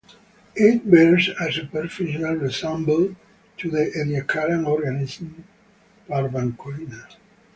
It bears a superficial resemblance to the Ediacaran organism "Parvancorina".